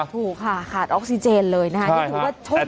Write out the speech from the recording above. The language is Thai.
ถูกค่ะขาดออกซิเจนเลยนะคะนี่ถือว่าโชคดี